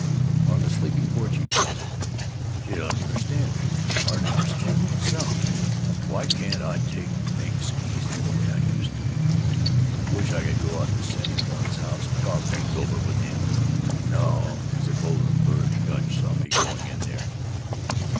On the sleeping porch he puzzled, "She doesn't understand me. Hardly understand myself. Why can't I take things easy, way I used to? "Wish I could go out to Senny Doane's house and talk things over with him. No! Suppose Verg Gunch saw me going in there!